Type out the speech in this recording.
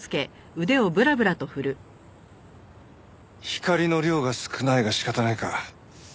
光の量が少ないが仕方ないか。